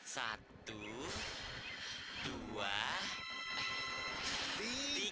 satu dua tiga